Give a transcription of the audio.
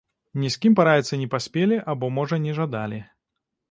Ні з кім параіцца не паспелі, або можа не жадалі.